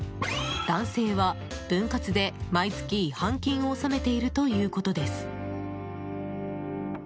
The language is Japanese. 男性は分割で毎月、違反金を納めているということです。